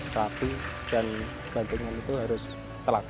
tapi dan bantingan itu harus telak